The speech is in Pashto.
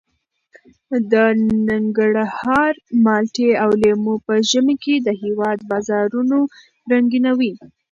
د ننګرهار مالټې او لیمو په ژمي کې د هېواد بازارونه رنګینوي.